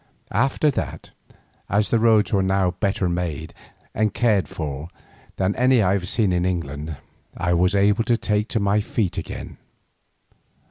After that, as the roads were now better made and cared for than any I have seen in England, I was able to take to my feet again.